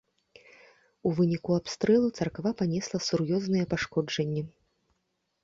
У выніку абстрэлу царква панесла сур'ёзныя пашкоджанні.